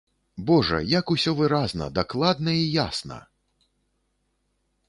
Божа, як усё выразна, дакладна і ясна!